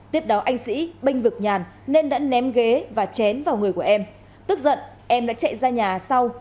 tiếp đó anh sĩ binh vực nhàn nên đã ném ghế và chém vào người của em tức giận em đã chạy ra nhà sau